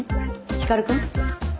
光くん？